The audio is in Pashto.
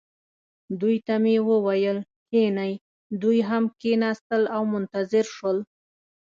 دوی ته مې وویل: کښینئ. دوی هم کښېنستل او منتظر شول.